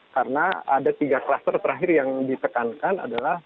karena ada tiga kluster terakhir yang ditekankan adalah